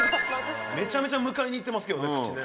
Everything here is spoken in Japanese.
めちゃめちゃ迎えにいってますけどね口で。